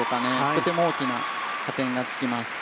とても大きな加点がつきます。